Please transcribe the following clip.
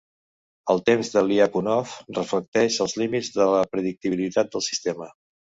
El temps de Lyapunov reflecteix els límits de la predictibilitat del sistema.